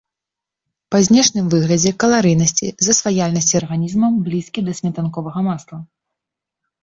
Па знешнім выглядзе, каларыйнасці, засваяльнасці арганізмам блізкі да сметанковага масла.